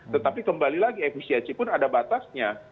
tetapi kembali lagi efisiensi pun ada batasnya